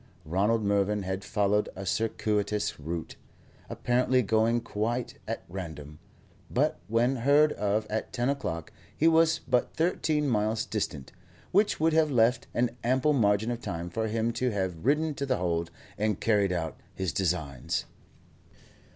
Ronald Mervyn had followed a circuitous route, apparently going quite at random, but when heard of at ten o'clock he was but thirteen miles distant, which would have left an ample margin of time for him to have ridden to The Hold and carried out his designs.